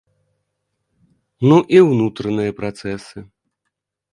Ну і ўнутраныя працэсы.